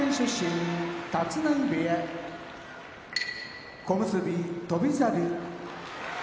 立浪部屋小結・翔猿